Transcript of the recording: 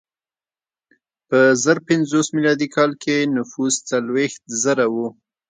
په زر پنځوس میلادي کال کې نفوس څلوېښت زره و.